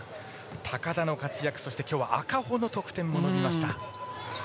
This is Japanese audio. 高田の活躍、そして今日は赤穂の特典もありました。